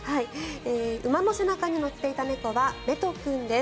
馬の背中に乗っていた猫はメト君です。